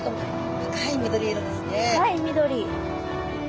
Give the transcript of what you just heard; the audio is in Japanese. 深い緑。